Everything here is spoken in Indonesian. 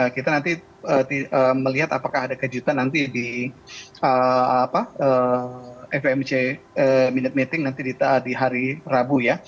kita nanti melihat apakah ada kejutan nanti di fvmc minute meeting nanti di hari rabu ya